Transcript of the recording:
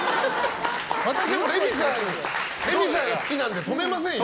私もレミさんが好きなので止めませんよ。